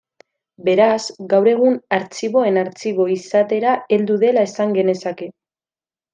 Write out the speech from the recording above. Beraz, gaur egun artxiboen artxibo izatera heldu dela esan genezake.